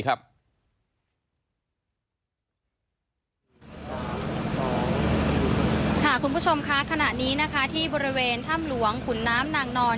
คุณผู้ชมคะขณะนี้นะคะที่บริเวณถ้ำหลวงขุนน้ำนางนอน